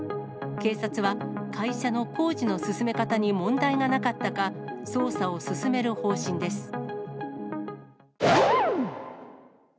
警察は、会社の工事の進め方に問題がなかったか、捜査を進める方針です。